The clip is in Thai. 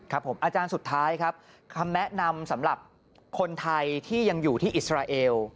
ครับผมอาจารย์สุดท้ายครับคำแนะนำสำหรับคนไทยที่ยังอยู่ที่อิสราเอล